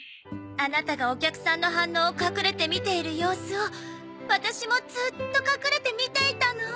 アナタがお客さんの反応を隠れて見ている様子をワタシもずっと隠れて見ていたの。